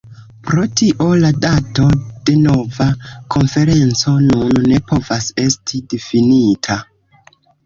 Pro tio la dato de nova konferenco nun ne povas esti difinita.